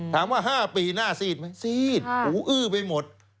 ถามว่า๕ปีน่าซีดไหมซีดหูอื้อไปหมด